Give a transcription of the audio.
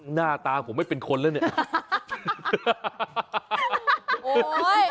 หน้าตาผมไม่เป็นคนแล้วเนี่ย